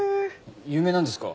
有名なんですか？